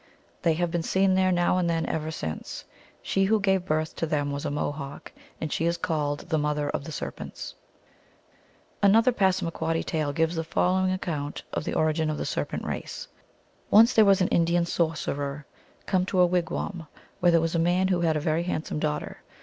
They have been seen there, now and then, ever since. She who gave birth to them was a Mohawk, and she is called the Mother of Serpents. Another Passamaquoddy tale gives the following ac count of the origin of the Serpent race. Once there was an Indian sorcerer came to a wig wani where there was a man who had a very handsome daughter.